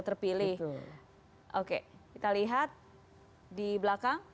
terpilih oke kita lihat di belakang